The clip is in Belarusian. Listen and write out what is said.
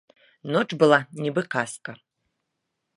Ноч была, нібы казка.